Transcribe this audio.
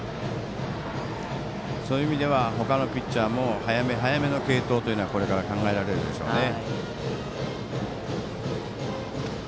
そういう意味では他のピッチャーも早め早めの継投がこれから考えられるでしょうね。